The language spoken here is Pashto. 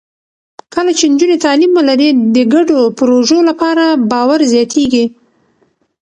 کله چې نجونې تعلیم ولري، د ګډو پروژو لپاره باور زیاتېږي.